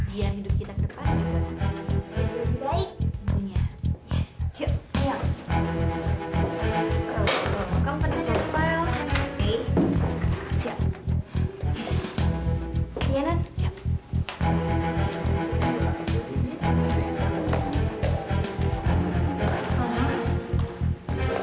biar hidup kita ke depan juga lebih baik